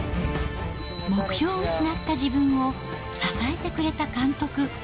目標を失った自分を支えてくれた監督。